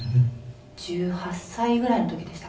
１８歳ぐらいの時でしたかね。